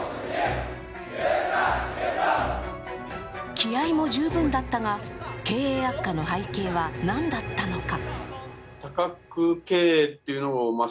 気合いも十分だったが、経営悪化の背景は何だったのか。